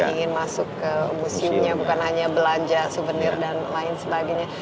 ingin masuk ke museumnya bukan hanya belanja souvenir dan lain sebagainya